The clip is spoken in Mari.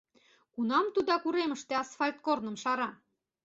Кунам тудак уремыште асфальт корным шара?